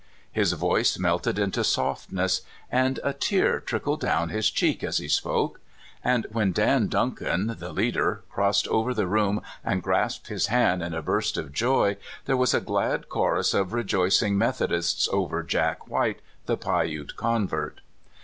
His voice melted into softness, and a tear trickled down his cheek as he spoke; and when Dan Duncan, the leader, crossed over the room and grasped his hand in a burst of joy, there was a glad chorus of rejoicing Methodists over Jack White, the Piute convert.